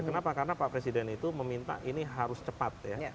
kenapa karena pak presiden itu meminta ini harus cepat ya